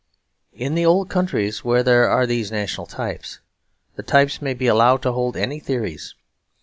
In the old countries where there are these national types, the types may be allowed to hold any theories.